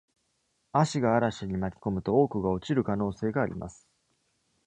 葦が嵐に巻き込むとオークが落ちる可能性があります。